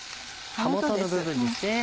葉元の部分ですね。